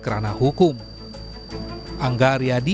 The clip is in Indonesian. namun kebetulan itu tidak terjadi